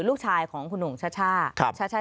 ลูกชายของคุณหนูหงษ์ชช่า